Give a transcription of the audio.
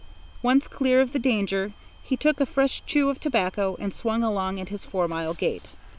Once clear of the danger, he took a fresh chew of tobacco and swung along at his four mile gait.